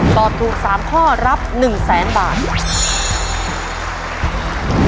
ตอบถูก๓ข้อรับ๑๐๐๐๐๐บาท